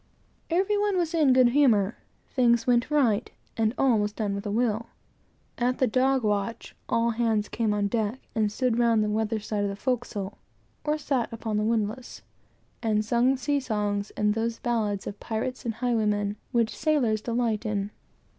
Every one was in good humor; things went right; and all was done with a will. At the dog watch, all hands came on deck, and stood round the weather side of the forecastle, or sat upon the windlass, and sung sea songs, and those ballads of pirates and highwaymen, which sailors delight in.